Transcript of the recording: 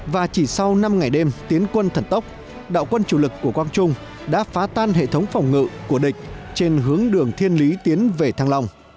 và chỉ sau năm ngày đêm tiến quân thần tốc đạo quân chủ lực của quang trung đã phá tan hệ thống phòng ngự của địch trên hướng đường thiên lý tiến về thăng long